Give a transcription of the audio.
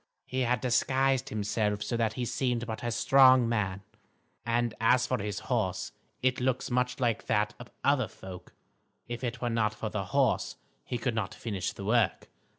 He had disguised himself so that he seemed but a strong man. And as for his horse it looks much like that of other folk. If it were not for the horse, he could not finish the work.